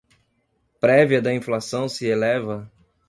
Prévia da inflação se eleva